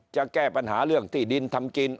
จะแก้ปัญหาเรื่องที่ดินทำกิน